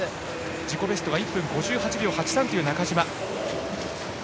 自己ベスト１分５８秒８３という中島。